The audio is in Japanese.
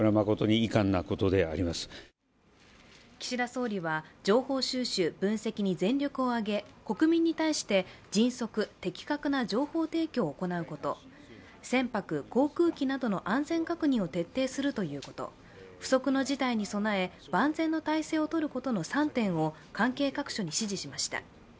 岸田総理は情報収集、分析に全力を挙げ国民に対して迅速・的確な情報提供を行うこと、船舶、航空機などの安全確認を徹底するということ不測の事態に備え万全の体制を取ることの３点を関係各所に指示しました。